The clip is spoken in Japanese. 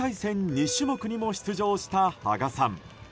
２種目にも出場した芳我さん。